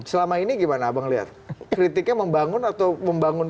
selama ini gimana abang lihat kritiknya membangun atau membangun